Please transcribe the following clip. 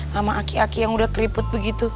sama aki aki yang udah keriput begitu